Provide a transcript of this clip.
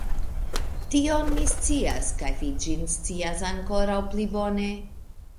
Tion mi scias, kaj vi ĝin scias ankoraŭ pli bone!